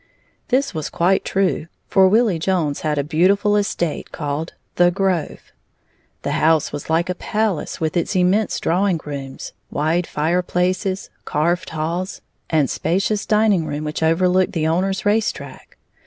This was quite true, for Willie Jones had a beautiful estate called "The Grove." The house was like a palace with its immense drawing rooms, wide fireplaces, carved halls, and spacious dining room which overlooked the owner's race track.